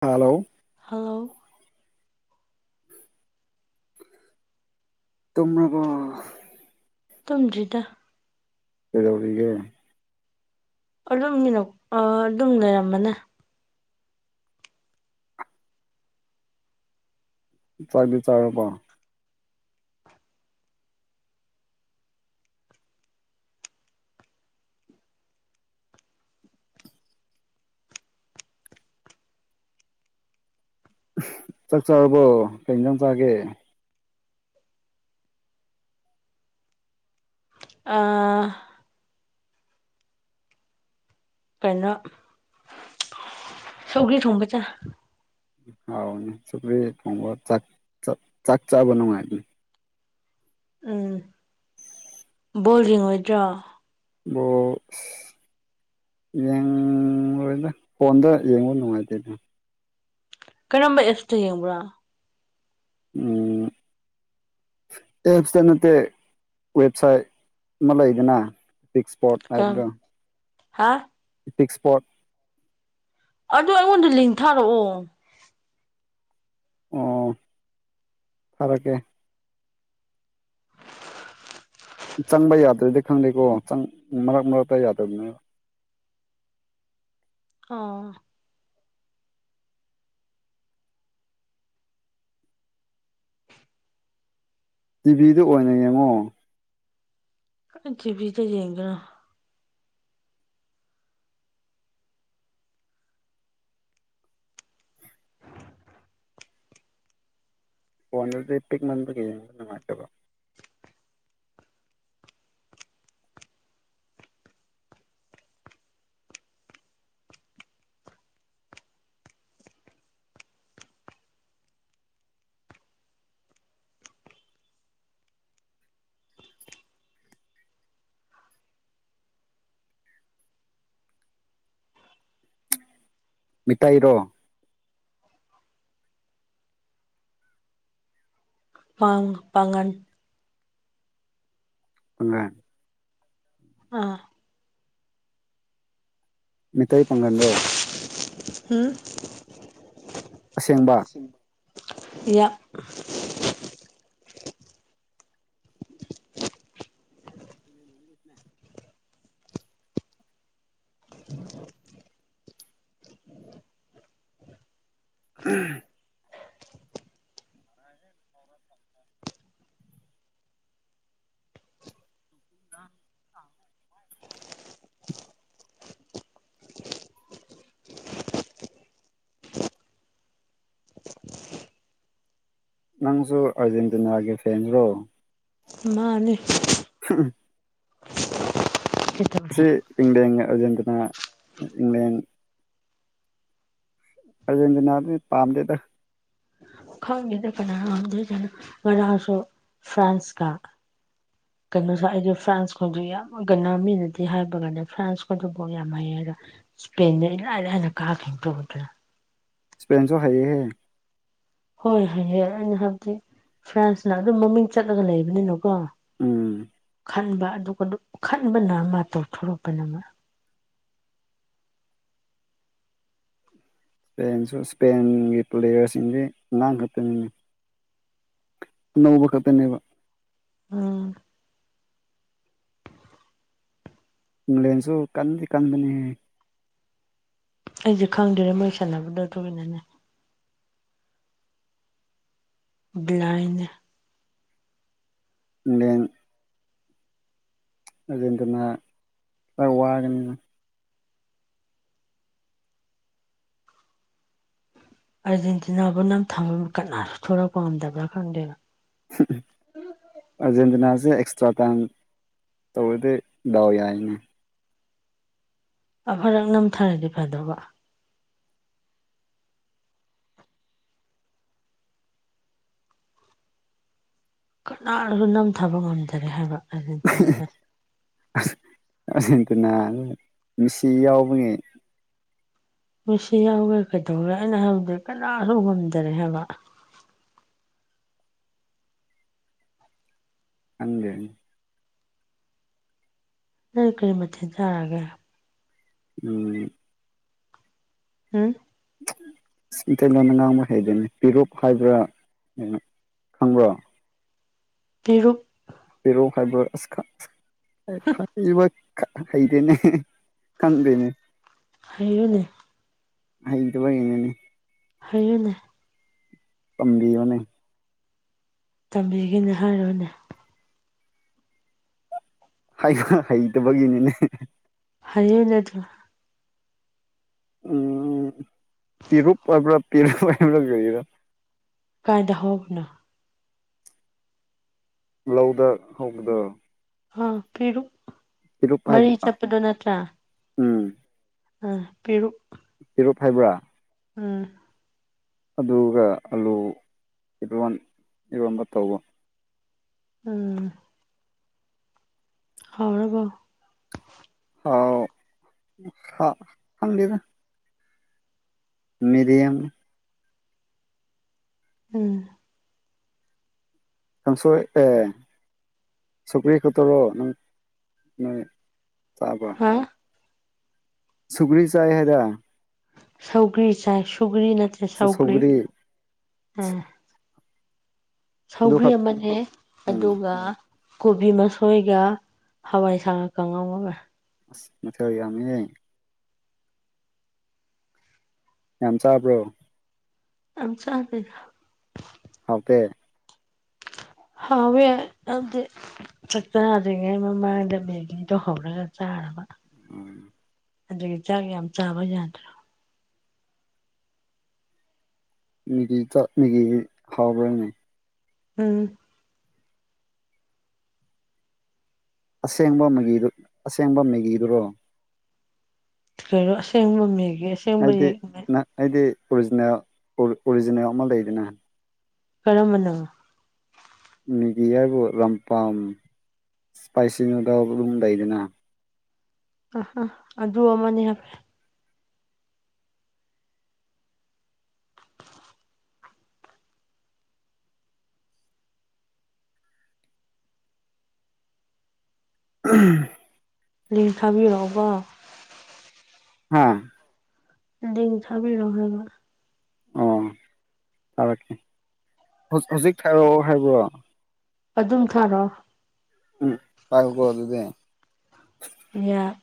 hello hello ꯇꯨꯝꯔꯥꯕꯣ ꯇꯨꯝꯗ꯭ꯔꯤꯗ ꯀꯩꯗꯧꯔꯤꯒꯦ ꯑꯗꯨꯝꯒꯤꯅ ꯑꯥ ꯑꯗꯨꯝ ꯂꯩꯔꯝꯕꯅꯦ ꯆꯥꯛꯗꯤ ꯆꯥꯔꯕꯣ ꯆꯥꯛ ꯆꯥꯔꯕꯣ ꯀꯩ ꯍꯤꯟꯖꯥꯡ ꯆꯥꯒꯦ ꯑꯥ ꯀꯩꯅꯣ ꯁꯧꯒ꯭ꯔꯤ ꯊꯣꯡꯕ ꯆꯥꯏ ꯍꯥꯎꯅꯦ ꯁꯧꯒꯔ꯭ꯤ ꯊꯣꯡꯕ ꯆꯥꯛ ꯆꯥ ꯆꯥꯕ ꯅꯨꯡꯉꯥꯏꯕꯅꯤ ꯎꯝ ꯕꯣꯜ ꯌꯦꯡꯉꯣꯏꯗꯔꯣ ꯕꯣꯜ [unintelligible] ꯌꯦꯡꯂꯣꯏꯗ ꯐꯣꯟꯗ ꯌꯦꯡꯕ ꯅꯨꯡꯉꯥꯏꯇꯦ ꯀꯔꯝꯕ ꯑꯦꯁꯇ ꯌꯦꯡꯕ꯭ꯔꯥ ꯎꯝ ꯑꯦꯞꯁꯇ ꯅꯠꯇꯦ ꯋꯦꯕꯁꯥꯏꯠ ꯑꯃ ꯂꯩꯗꯅ ꯄꯤꯛ ꯁ꯭ꯄꯣꯠ ꯀꯔꯝ ꯍꯥ ꯄꯤꯛꯁ ꯁꯏꯄ꯭ꯔꯣꯠ ꯑꯗꯨ ꯑꯩꯉꯣꯟꯗ ꯂꯤꯡ ꯊꯥꯔꯛꯑꯣ ꯑꯣ ꯊꯥꯔꯛꯀꯦ ꯆꯪꯕ ꯌꯥꯗ꯭ꯔꯗꯤ ꯈꯪꯗꯦꯀꯣ ꯆꯪ ꯃꯔꯛ ꯃꯔꯛꯇ ꯌꯥꯗꯕꯅꯦꯕ ꯑꯣ ꯇꯤꯚꯤꯗ ꯑꯣꯏꯅ ꯌꯦꯡꯉꯣ ꯀꯥꯏ ꯇꯤꯕꯤꯗ ꯌꯦꯡꯒꯦꯔꯥ ꯐꯣꯟꯗꯗꯤ ꯄꯤꯛꯃꯟꯕꯒꯤ ꯌꯦꯡꯕ ꯅꯨꯡꯉꯥꯏꯇꯕ ꯃꯤꯇꯩꯔꯣ ꯥꯄꯥꯡ ꯄꯥꯡꯉꯟ [unintelligible] ꯑꯥ ꯃꯤꯇꯩ ꯄꯥꯡꯉꯟꯔꯣ ꯍꯨꯝ ꯑꯁꯦꯡꯕ ꯌꯥ [inaudible] [unintelligible] [unintelligible] ꯅꯪꯖꯨ ꯑꯥꯔꯖꯦꯟꯇꯤꯅꯥꯒꯤ ꯐꯦꯟꯔꯣ ꯃꯥꯅꯦ ꯀꯩꯗꯧꯔꯦ ꯁꯤ ꯏꯪꯂꯦꯟꯒ ꯑꯥꯔꯖꯦꯟꯇꯤꯅꯥ ꯏꯪꯂꯦꯟ ꯑꯥꯔꯖꯦꯟꯇꯤꯅꯥꯗꯤ ꯄꯥꯝꯗꯦꯗ ꯈꯪꯗꯦꯗ ꯀꯅꯥꯅ ꯉꯝꯗꯣꯏꯖꯥꯠꯅꯣ ꯉꯔꯥꯡꯁꯨ ꯐ꯭ꯔꯥꯟꯁꯀ [inaudible] ꯀꯩꯅꯣꯁꯦ ꯑꯩꯁꯦ ꯐ꯭ꯔꯥꯟꯁ ꯈꯣꯏꯗꯣ ꯌꯥꯝ ꯀꯩꯅꯣ ꯃꯤꯅꯗꯤ ꯍꯥꯏꯕ ꯀꯥꯟꯗ ꯐ꯭ꯔꯥꯟꯈꯣꯏꯗꯣ ꯕꯣꯜ ꯌꯥꯝ ꯍꯩꯌꯦ ꯍꯥꯏꯕ ꯁꯄꯦꯟꯅ ꯏꯔꯥꯏ ꯂꯥꯏꯅ ꯀꯥꯈꯤꯕꯗꯨ ꯎꯗ꯭ꯔꯥ ꯏꯁꯄꯦꯟꯁꯨ ꯍꯩꯌꯦꯍꯦ ꯍꯣꯏ ꯍꯩꯌꯦ ꯑꯩꯅ ꯍꯥꯏꯕꯗꯤ ꯐ꯭ꯔꯥꯟꯁꯅ ꯑꯗꯨꯝ ꯃꯃꯤꯡ ꯆꯠꯂꯒ ꯂꯩꯕꯅꯤꯅ ꯀꯣ ꯎꯝ ꯈꯟꯕ ꯑꯗꯨꯒ ꯑꯗꯨ ꯈꯟꯕꯅ ꯑꯃꯥ ꯇꯧꯊꯣꯔꯛꯄꯅ ꯑꯃ ꯁꯄꯦꯟꯁꯨ ꯁꯄꯦꯟꯒꯤ ꯄ꯭ꯂꯦꯌꯔꯁꯤꯡꯗꯤ ꯑꯉꯥꯡꯈꯛꯇꯅꯤꯅꯦ ꯑꯅꯧꯕ ꯈꯛꯇꯅꯦꯕ ꯎꯝ ꯏꯪꯂꯦꯟꯁꯨ ꯀꯟꯗꯤ ꯀꯟꯕꯅꯤꯍꯦ ꯑꯩꯗꯤ ꯈꯪꯗ꯭ꯔꯦ ꯃꯣꯏ ꯁꯥꯟꯅꯕꯗꯣ ꯑꯗꯨꯒꯤꯅꯤꯅꯦ ꯕ꯭ꯂꯥꯏꯟꯅꯦ ꯏꯪꯂꯦꯟ ꯑꯥꯔꯖꯦꯟꯇꯤꯅ ꯈꯔ ꯋꯥꯒꯅꯤ ꯃꯣꯏ ꯑꯥꯔꯖꯦꯟꯇꯤꯅꯥꯕꯨ ꯅꯝꯊꯕ ꯀꯅꯥꯁꯨ ꯂꯣꯛꯂꯛꯄ ꯉꯝꯗꯕ꯭ꯔꯥ ꯈꯪꯗꯦꯕ [unintelligible] ꯑꯥꯔꯖꯦꯟꯇꯤꯅꯥꯁꯦ ꯑꯦꯛꯁꯇ꯭ꯔꯥ ꯇꯥꯏꯝ ꯇꯧꯔꯗꯤ ꯗꯥꯎ ꯌꯥꯏꯅꯦ ꯑꯃꯔꯛ ꯅꯝꯊꯔꯗꯤ ꯐꯗꯧꯕ ꯀꯅꯥꯅꯁꯨ ꯅꯝꯊꯕ ꯉꯝꯗꯔꯦ ꯍꯥꯏꯕ ꯑꯥꯔꯖꯦꯟꯇꯤꯅꯥꯁꯦ ꯑꯁ ꯑꯥꯔꯖꯦꯟꯇꯤꯅꯅ ꯃꯤꯁꯤ ꯌꯥꯎꯕꯒꯤ ꯃꯦꯁꯤ ꯌꯥꯎꯔꯒ ꯀꯩꯗꯧꯔꯦ ꯑꯩꯅ ꯍꯥꯏꯕꯗꯤ ꯀꯅꯥꯁꯨ ꯉꯝꯗꯔꯦ ꯍꯥꯏꯕ ꯈꯪꯗꯦ ꯅꯣꯏ ꯀꯔꯤ ꯃꯊꯦꯟ ꯆꯥꯔꯒꯦ ꯎꯝ ꯍꯨꯝ ꯃꯤꯇꯩꯂꯣꯟꯗ ꯉꯥꯡꯕ ꯍꯩꯗꯦꯅꯦ ꯄꯤꯔꯨꯛ ꯍꯥꯏꯕ꯭ꯔꯥ ꯀꯩꯅꯣ ꯈꯪꯕ꯭ꯔꯣ ꯄꯤꯔꯨꯛ ꯄꯦꯔꯨꯛ ꯍꯥꯏꯕ꯭ꯔꯥ ꯑꯁ ꯈꯪ [unintelligible] ꯈꯠ ꯍꯩꯗꯦꯅꯦ ꯈꯪꯗꯦꯅꯦ ꯍꯩꯌꯣꯅꯦ ꯍꯩꯗꯕꯒꯩꯅꯦꯅꯦ ꯍꯩꯌꯨꯅꯦ ꯇꯝꯕꯤꯌꯣꯅꯦ ꯇꯝꯕꯤꯒꯦꯅꯦ ꯍꯥꯏꯔꯣꯅꯦ ꯍꯥꯏꯕ ꯍꯩꯇꯕꯒꯤꯅꯤꯅꯦ ꯍꯥꯏꯌꯣꯅꯦ ꯑꯗꯨ ꯎꯝ ꯄꯤꯔꯨꯛ ꯍꯥꯏꯕ꯭ꯔꯥ ꯄꯦꯔꯨꯛ ꯍꯥꯏꯕ꯭ꯔꯥ ꯀꯔꯤꯔꯥ ꯀꯥꯏꯗ ꯍꯧꯕꯅꯣ ꯂꯧꯗ ꯍꯧꯕꯗꯣ ꯍꯥ ꯄꯤꯔꯨꯛ ꯄꯤꯔꯨꯞ ꯍꯥꯏꯕ [unintelligible] ꯎꯝ ꯑ ꯄꯤꯔꯨꯛ ꯄꯤꯔꯨꯞ ꯍꯥꯏꯕ꯭ꯔꯥ ꯎꯝ ꯑꯗꯨꯒ ꯑꯂꯨ ꯏꯔꯣꯟ ꯏꯔꯣꯟꯕ ꯇꯧꯕ ꯎꯝ ꯍꯥꯎꯔꯕꯣ ꯍꯥꯎ ꯍꯥ ꯈꯪꯗꯦꯗ ꯃꯦꯗꯤꯌꯝ ꯎꯝ ꯀꯥꯡꯁꯣꯏ ꯑꯦ ꯁꯧꯒ꯭ꯔꯤ ꯈꯛꯇꯔꯣ ꯅꯪ ꯅꯣꯏ ꯆꯥꯕ ꯍꯥ ꯁꯨꯒ꯭ꯔꯤ ꯆꯥꯏ ꯍꯥꯏꯗ ꯁꯧꯒ꯭ꯔꯤ ꯆꯥꯏ ꯁꯨꯒ꯭ꯔꯤ ꯅꯠꯇꯦ ꯁꯧꯒ꯭ꯔꯤ ꯑ ꯑꯗꯨ ꯁꯧꯒ꯭ꯔꯤ ꯈꯛ ꯑꯃꯅꯦ ꯎꯝ ꯑꯗꯨꯒ ꯀꯣꯕꯤ ꯃꯁꯣꯏꯒ ꯍꯋꯥꯏꯁꯥꯒ ꯀꯥꯡꯉꯧꯃꯒ ꯑꯁ ꯃꯊꯦꯜ ꯌꯥꯃꯤꯍꯦ ꯌꯥꯝ ꯆꯥꯕ꯭ꯔꯣ ꯑꯝ ꯆꯥꯗꯦꯗ ꯍꯥꯎꯇꯦ ꯍꯥꯎꯋꯦ ꯑꯗꯤ ꯆꯥꯛ ꯆꯥꯗ꯭ꯔꯤꯉꯩ ꯃꯃꯥꯡꯗ ꯃꯦꯒꯤꯗꯣ ꯍꯧꯔꯒ ꯆꯥꯔꯕ ꯎꯝ ꯑꯗꯨꯒꯤ ꯆꯥꯛ ꯌꯥꯝ ꯆꯥꯕ ꯌꯥꯗ꯭ꯔꯣ ꯃꯤꯒꯤ ꯆꯥꯛ ꯃꯤꯒꯤ ꯍꯥꯎꯕ꯭ꯔꯅꯦ ꯎꯝ ꯑꯁꯦꯡꯕ ꯃꯦꯒꯤꯗꯨ ꯑꯁꯦꯡꯕ ꯃꯦꯒꯤꯗꯨꯔꯣ ꯀꯩꯅꯣ ꯑꯁꯦꯡꯕ ꯃꯦꯒꯤꯁꯦ ꯑꯩꯗꯤ ꯅ ꯑꯩꯗꯤ ꯑꯣꯔꯤꯖꯤꯅꯦꯜ ꯑꯣ ꯑꯣꯔꯤꯖꯤꯅꯦꯜ ꯑꯃ ꯂꯩꯗꯅ ꯀꯔꯝꯕꯅꯣ ꯃꯦꯒꯤ ꯍꯥꯏꯕꯨ ꯔꯝꯄꯥꯝ ꯏꯁꯄꯥꯏꯁꯤ ꯅꯨꯗꯜ ꯑꯗꯨꯝ ꯂꯩꯗꯅ ꯑꯥ ꯍꯥ ꯑꯗꯨ ꯑꯃꯅꯦ [unintelligible] ꯂꯤꯡ ꯊꯥꯕꯤꯔꯛꯎꯀꯣ ꯍꯥꯥ ꯗꯤꯡ ꯊꯥꯕꯤꯔꯛꯑꯣ ꯍꯥꯏꯕ ꯑꯣ ꯊꯥꯔꯛꯀꯦ ꯍꯧ ꯍꯧꯖꯤꯛ ꯊꯥꯔꯛꯑꯣ ꯍꯥꯏꯕ꯭ꯔꯣ ꯑꯗꯨꯝ ꯊꯥꯔꯛꯑꯣ ꯎꯝ ꯄꯥꯏꯌꯣꯀꯣ ꯑꯗꯨꯗꯤ ꯌꯥ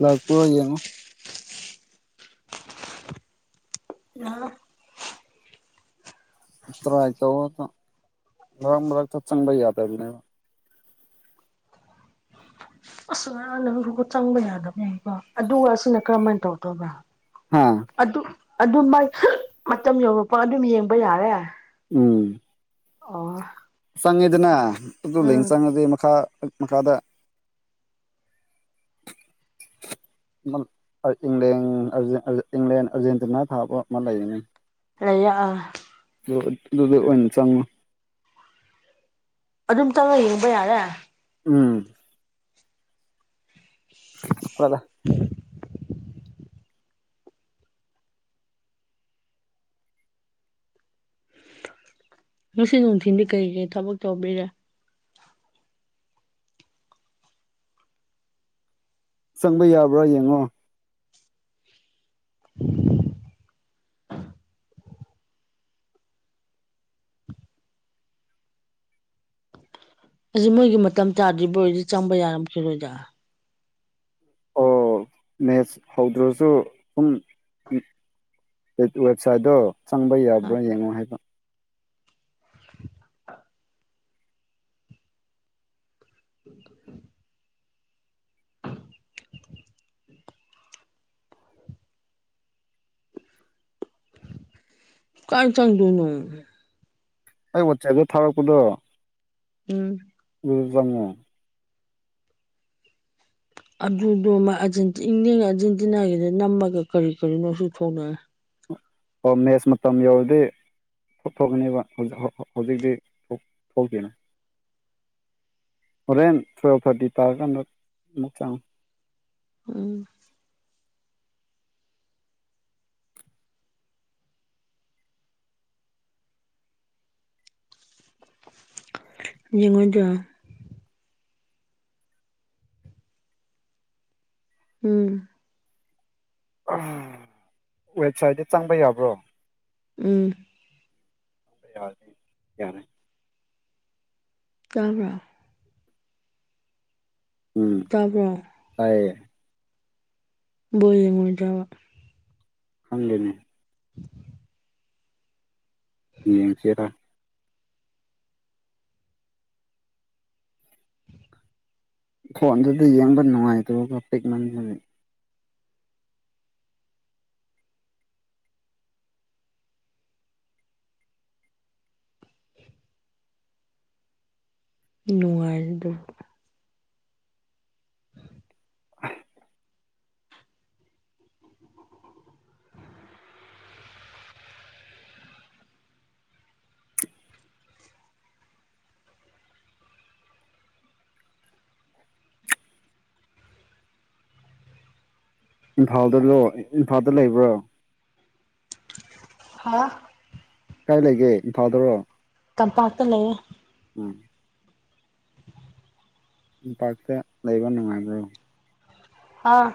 ꯂꯥꯛꯄꯔꯥ ꯌꯦꯡꯉꯣ ꯂꯥꯛꯂꯦ ꯇꯔꯥꯏ ꯇꯧꯑꯣ ꯑꯗꯣ ꯃꯔꯛ ꯃꯔꯛꯇ ꯆꯪꯕ ꯌꯥꯗꯕꯅꯦꯕ ꯑꯁ ꯉꯔꯥꯡ ꯅꯪꯕꯨꯀꯣ ꯆꯪꯕ ꯌꯥꯗꯕꯅꯦꯀꯣ ꯑꯗꯨꯒ ꯑꯁꯤꯅ ꯀꯔꯝꯃꯥꯏꯟ ꯇꯧꯗꯣꯏꯕ ꯍꯥꯥ ꯑꯗꯨ ꯑꯗꯨ ꯃꯥꯏ ꯃꯇꯝ ꯌꯧꯔꯛꯄ ꯑꯗꯨꯝ ꯌꯦꯡꯕ ꯌꯥꯔꯦ ꯎꯝ ꯑꯣ ꯆꯪꯉꯦꯗꯅ ꯑꯗꯨ ꯂꯤꯡ ꯎꯝ ꯆꯪꯉꯗꯤ ꯃꯈꯥ ꯃꯈꯥꯗ [unintelligible] ꯏꯪꯂꯟ ꯑꯔ ꯏꯪꯂꯦꯟ ꯑꯔꯖꯦ ꯑꯔꯖꯦ ꯏꯪꯂꯦꯟ ꯑꯔꯖꯦꯟꯇꯤꯅꯥ ꯊꯥꯕ ꯑꯃ ꯂꯩꯒꯅꯤ ꯂꯩꯌꯦ ꯑꯥ ꯑꯗꯨ ꯑꯗꯨꯗ ꯑꯣꯏꯅ ꯆꯪꯉꯣ ꯑꯗꯨꯝ ꯆꯥꯡꯉ ꯌꯦꯡꯕ ꯌꯥꯔꯦ ꯎꯝ [inaudible] [unintelligible] ꯀ꯭ꯋꯦꯂꯥ [inaudible] ꯉꯁꯤ ꯅꯨꯡꯊꯤꯟꯗꯤ ꯀꯩ ꯒꯩ ꯊꯕꯛ ꯇꯧꯕꯤꯔꯦ ꯆꯪꯕ ꯌꯥꯕ꯭ꯔꯥ ꯌꯦꯡꯉꯣ [inaudible] ꯑꯁꯤ ꯃꯣꯏꯒꯤ ꯃꯇꯝ ꯆꯥꯗ꯭ꯔꯤꯕ ꯑꯣꯏꯗꯤ ꯆꯪꯕ ꯌꯥꯔꯝꯈꯤꯔꯣꯏꯗ ꯑꯣ ꯃꯦꯠꯁ ꯍꯧꯗ꯭ꯔꯁꯨ ꯄꯨꯡ ꯋꯦꯕ ꯋꯦꯕꯁꯥꯏꯠꯗꯣ ꯆꯪꯕ ꯌꯥꯕ꯭ꯔꯥ ꯌꯦꯡꯉꯣ ꯍꯥꯏꯕ [inaudible] ꯀꯥꯏ ꯆꯪꯗꯣꯅꯣ ꯑꯩ ꯋꯥꯆꯦꯞꯇꯥ ꯊꯥꯔꯛꯄꯗꯣ ꯎꯝ ꯑꯗꯨꯗ ꯆꯪꯉꯣ ꯑꯗꯨꯗꯣ ꯃꯥ ꯑꯖꯦꯟꯇꯤ ꯢꯪꯂꯦꯟꯒ ꯑꯔꯖꯦꯟꯇꯤꯅꯥꯒꯤꯗ ꯅꯝꯃꯒ ꯀꯔꯤ ꯀꯔꯤꯅꯣ ꯁꯨ ꯊꯣꯛꯂꯛꯑꯦ ꯑꯣ ꯃꯦꯁ ꯃꯇꯝ ꯌꯧꯔꯗꯤ ꯊꯣꯛ ꯊꯣꯛꯀꯅꯦꯕ ꯍꯧꯖꯤꯛ ꯍꯩ ꯍꯧꯖꯤꯛꯇꯤ ꯊꯣꯛꯇꯦꯅ ꯍꯣꯔꯦꯟ ꯇꯨꯌꯦꯜꯞ ꯊꯔꯇꯤ ꯇꯥꯔꯀꯥꯟꯗ ꯑꯃꯨꯛ ꯆꯪꯉꯣ ꯎꯝ ꯌꯦꯡꯉꯣꯏꯗꯔꯥ ꯎꯝ ꯑꯥ ꯋꯦꯕꯁꯥꯏꯠꯇ ꯆꯪꯕ ꯌꯥꯕ꯭ꯔꯣ ꯎꯝ ꯌꯥꯏ ꯌꯥꯔꯦ ꯇꯥꯕꯔꯥ ꯎꯝ ꯇꯥꯕ꯭ꯔꯣ ꯇꯥꯏꯌꯦ ꯕꯣꯜ ꯌꯦꯡꯉꯣꯏꯗ꯭ꯔꯥꯕ ꯈꯪꯗꯦꯅꯦ [inaudible] ꯌꯦꯡ ꯆꯦꯔꯥ ꯐꯣꯟꯗꯨꯗꯤ ꯌꯦꯡꯕ ꯅꯨꯡꯉꯥꯏꯇꯕꯀꯣ ꯄꯤꯛ ꯃꯟꯕꯒꯤ ꯅꯨꯡꯉꯥꯏꯔꯅꯤ ꯗꯨꯝ [inaudible] ꯏꯝꯐꯥꯜꯗ ꯂꯣ ꯏꯝꯐꯥꯜꯗ ꯂꯩꯕ꯭ꯔꯣ ꯍꯥꯥ ꯀꯥꯏ ꯂꯩꯒꯦ ꯏꯝꯐꯥꯜꯗꯔꯣ ꯇꯝꯄꯥꯛꯇ ꯂꯩꯌꯦ ꯎꯝ ꯇꯝꯄꯥꯛꯇ ꯂꯩꯕ ꯅꯨꯡꯉꯥꯏꯕ꯭ꯔꯣ ꯍꯥ